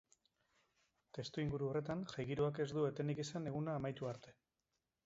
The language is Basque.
Testuinguru horretan, jai-giroak ez du etenik izan eguna amaitu arte.